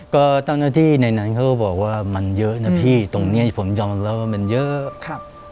ก็เจ้าหน้าที่ในนั้นเขาก็บอกว่ามันเยอะนะพี่ตรงเนี้ยผมยอมรับว่ามันเยอะครับ